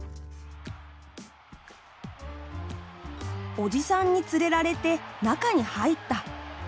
おじさんにつれられてなかにはいった。